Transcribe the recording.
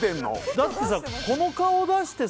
だってさ